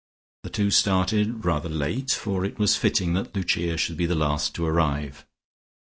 The two started rather late, for it was fitting that Lucia should be the last to arrive.